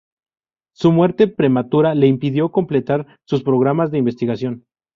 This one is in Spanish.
Su muerte prematura le impidió completar sus programas de investigación.